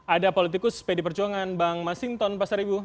ada politikus pdi perjuangan bang masinton pasaribu